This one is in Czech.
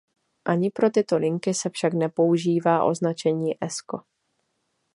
Ani pro tyto linky se však nepoužívá označení Esko.